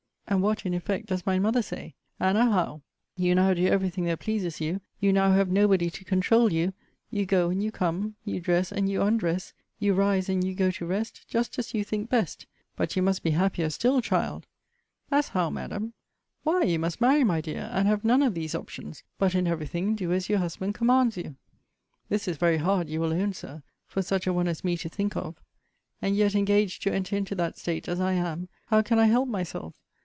And what, in effect, does my mother say? 'Anna Howe, you now do every thing that pleases you; you now have nobody to controul you; you go and you come; you dress and you undress; you rise and you go to rest, just as you think best; but you must be happier still, child!' As how, Madam? 'Why, you must marry, my dear, and have none of these options; but, in every thing, do as your husband commands you.' This is very hard, you will own, Sir, for such a one as me to think of. And yet, engaged to enter into that state, as I am, how can I help myself?